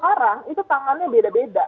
sekarang itu tangannya beda beda